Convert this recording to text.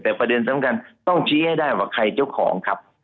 แต่ประเด็นสำคัญต้องชี้ให้ได้ว่าใครเจ้าของครับ